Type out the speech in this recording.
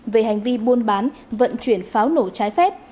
về hành vi buôn bán vận chuyển pháo nổ trái phép